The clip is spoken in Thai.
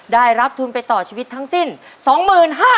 ได้รับทุนไปต่อชีวิตทั้งสิ้น๒๕๐๐บาท